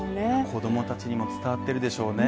子供たちにも伝わってるでしょうね